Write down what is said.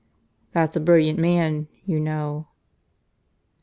"That's a brilliant man, you know."